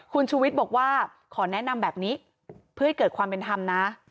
คุณชูวิทย์บอกว่าขอแนะนำแบบนี้เพื่อให้เกิดความเป็นธรรมนะ